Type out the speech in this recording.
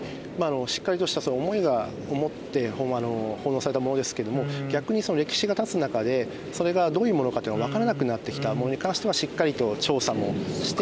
しっかりとした思いを持って奉納されたものですけども逆にその歴史がたつ中でそれがどういうものかっていうのが分からなくなってきたものに関してはしっかりと調査もして。